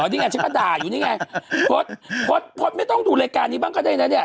นี่ไงฉันก็ด่าอยู่นี่ไงพดไม่ต้องดูรายการนี้บ้างก็ได้นะเนี่ย